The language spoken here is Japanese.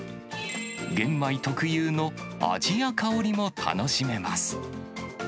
玄米特有の味や香りも楽しめます。